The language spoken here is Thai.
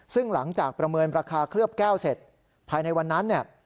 ซึ่งหลังจากประเมินราคาเคลือบแก้วเสร็จภายในวันนั้นเนี่ย